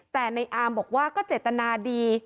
แต่ในอาร์มบอกว่าก็เจตนาดี